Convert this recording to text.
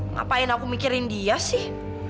ngapain aku mikirin dia sih